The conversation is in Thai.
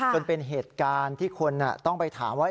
จนเป็นเหตุการณ์ที่คนต้องไปถามว่า